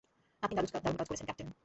আপনি দারুণ কাজ করেছেন, ক্যাপ্টেন।